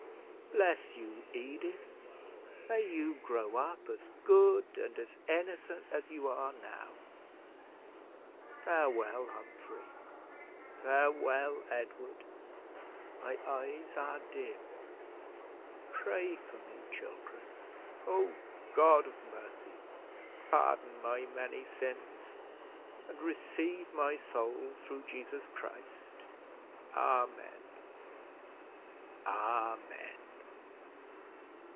Bless you, Edith; may you grow up as good and as innocent as you are now. Farewell, Humphrey farewell, Edward my eyes are dim pray for me, children. O God of mercy, pardon my many sins, and receive my soul, through Jesus Christ. Amen, Amen."